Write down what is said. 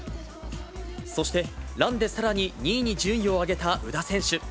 そして、ランでさらに２位に順位を上げた宇田選手。